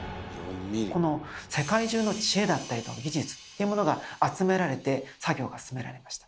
この世界中の知恵だったりとか技術っていうものが集められて作業が進められました。